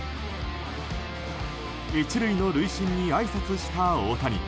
１塁の塁審にあいさつした大谷。